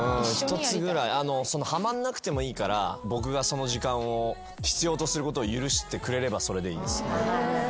ハマんなくてもいいから僕がその時間を必要とすることを許してくれればそれでいいです。